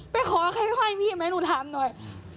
ไปขอให้ไห้พี่ไหมหนูถามหน่อย